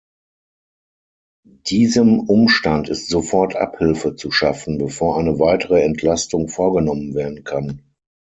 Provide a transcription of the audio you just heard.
Diesem Umstand ist sofort Abhilfe zu schaffen, bevor eine weitere Entlastung vorgenommen werden kann.